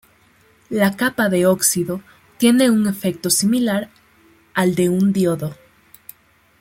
La capa de óxido tiene un efecto similar al de un diodo.